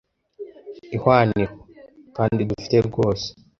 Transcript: Ihwaniro. Kandi dufite rwose